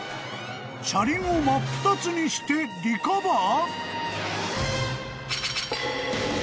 ［車輪を真っ二つにしてリカバー！？］